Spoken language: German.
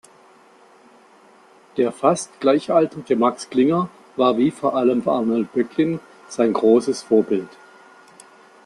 Der fast gleichaltrige Max Klinger war wie vor allem Arnold Böcklin sein großes Vorbild.